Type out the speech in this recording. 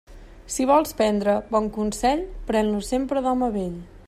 Si vols prendre bon consell, pren-lo sempre d'home vell.